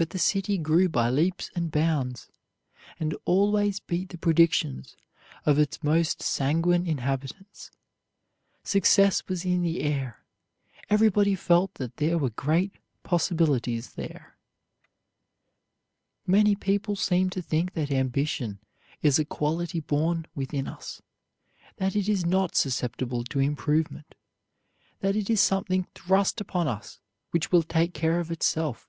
But the city grew by leaps and bounds, and always beat the predictions of its most sanguine inhabitants. Success was in the air. Everybody felt that there were great possibilities there. [Illustration: Marshall Field] Many people seem to think that ambition is a quality born within us; that it is not susceptible to improvement; that it is something thrust upon us which will take care of itself.